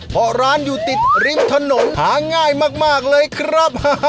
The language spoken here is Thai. เพราะร้านอยู่ติดริมถนนหาง่ายมากเลยครับ